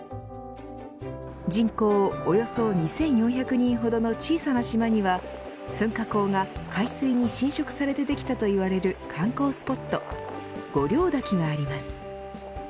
人口およそ２４００人ほどの小さな島には噴火口が海水に浸食されてできたといわれる観光スポット五両ダキがあります。